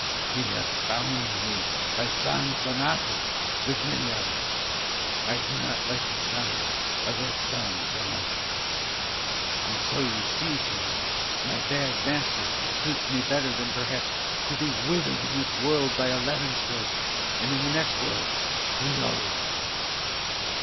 He hath bound me by San Sathanas, with many others. I do not like the sound of that San Sathanas. And so you see, señor, my bad master suits me better than perhaps to be whithered in this world by a levin stroke, and in the next world who knows?"